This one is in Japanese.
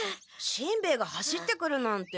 しんべヱが走ってくるなんて。